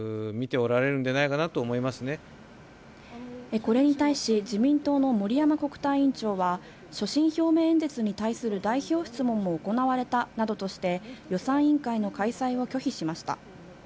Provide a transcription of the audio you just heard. これに対し、自民党の森山国対委員長は、所信表明演説に対する代表質問も行われたなどとして、予算委員会の開催を拒否しました。